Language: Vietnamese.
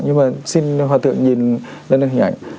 nhưng mà xin hòa thượng nhìn lên hình ảnh